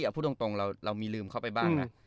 พูดตรงเรามีลืมเขามาบ้าง